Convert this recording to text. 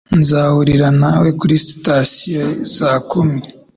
Nzahurira nawe kuri sitasiyo saa kumi.